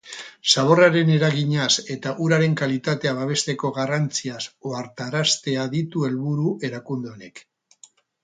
Zaborraren eraginaz eta uraren kalitatea babesteko garrantziaz ohartaraztea ditu helburu erakunde honek.